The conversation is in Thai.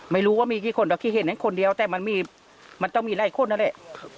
ไม่รู้ว่ามีกี่คนหรอกที่เห็นนั้นคนเดียวแต่มันมีมันต้องมีหลายคนนั่นแหละ